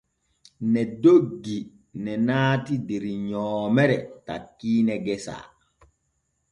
Ne doggi ne naati der nyoomere takkiine gesa.